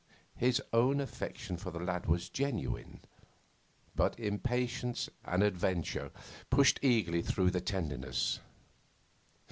His own affection for the lad was genuine, but impatience and adventure pushed eagerly through the tenderness.